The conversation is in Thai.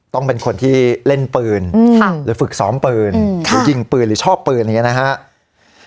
ต้องเป็นคนที่เล่นปืนหรือฝึกซ้อมปืนหรือยิงปืนหรือชอบปืนอย่างนี้นะครับ